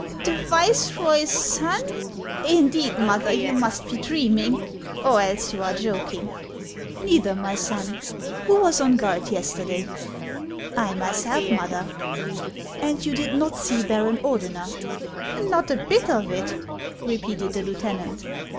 " The viceroy's son ! Indeed, mother, you must be dreaming, or else you are joking." " Xeither, my sou. Who was on guard yesterday ?"" I myself, mother." " And you did not see Baron Ordener ?"" Xot a bit of it," repeated the lieutenant.